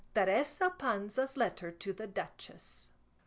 TERESA PANZA'S LETTER TO THE DUCHESS.